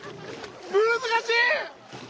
難しい！